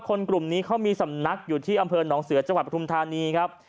กลุ่มนี้เขามีสำนักอยู่ที่อำเภอหนองเสือจังหวัดปทุมธานีครับ